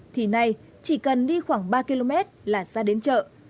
thì nay chỉ cần đi khoảng ba km là ra đến chợ